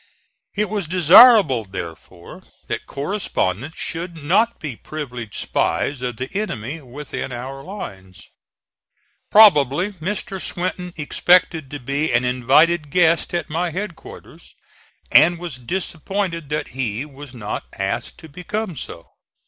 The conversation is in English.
It was desirable, therefore, that correspondents should not be privileged spies of the enemy within our lines. Probably Mr. Swinton expected to be an invited guest at my headquarters, and was disappointed that he was not asked to become so.